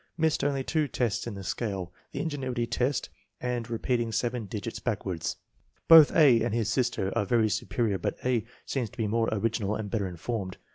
Missed only two tests in the scale, the ingenuity test and re peating seven digits backwards. Both A. and his sister are very superior but A. seems to be more original and better informed.